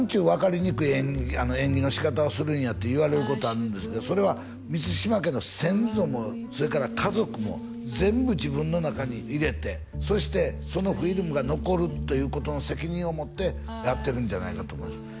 分かりにくい演技のしかたをするんやって言われることあるんですけどそれは満島家の先祖もそれから家族も全部自分の中に入れてそしてそのフィルムが残るということの責任をもってやってるんじゃないかと思います